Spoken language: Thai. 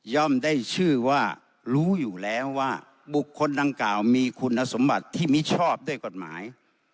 ได้ชื่อว่ารู้อยู่แล้วว่าบุคคลดังกล่าวมีคุณสมบัติที่มิชอบด้วยกฎหมาย